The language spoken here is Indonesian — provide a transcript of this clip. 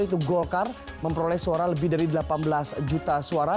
itu golkar memperoleh suara lebih dari delapan belas juta suara